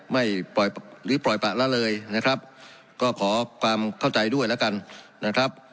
ไม่ปล่อยหรือปล่อยปะละเลยนะครับก็ขอความเข้าใจด้วยแล้วกันนะครับ